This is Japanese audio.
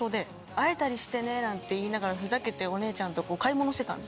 「会えたりしてね」なんて言いながらふざけてお姉ちゃんと買い物してたんですよ。